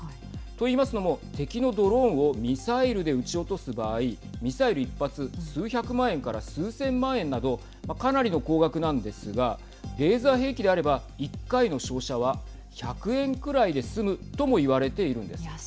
といいますのも、敵のドローンをミサイルで撃ち落とす場合ミサイル１発数百万円から数千万円などかなりの高額なんですがレーザー兵器であれば１回の照射は１００円くらいで済むとも言われているんです。